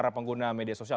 atau pengguna media sosial